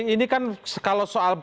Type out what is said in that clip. ini kan kalau soal